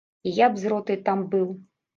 І я б з ротай там быў.